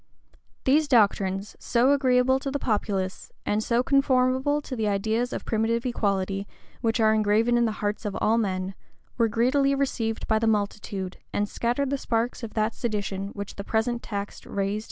[] These doctrines, so agreeable to the populace, and so conformable to the ideas of primitive equality which are engraven in the hearts of all men, were greedily received by the multitude, and scattered the sparks of that sedition which the present tax raised into a conflagration.